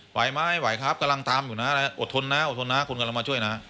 ไหวไหมไหวครับกำลังทำอยู่นะอะไรอดทนนะอดทนนะคุณกำลังมาช่วยนะ